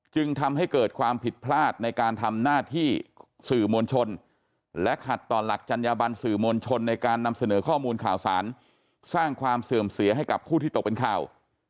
จึงทำให้เกิดความผิดพลาดในการทำหน้าที่สื่อมวลชนและขัดต่อหลักจัญญาบันสื่อมวลชนในการนำเสนอข้อมูลข่าวสารสร้างความเสื่อมเสียให้กับผู้ที่ตกเป็นข่าว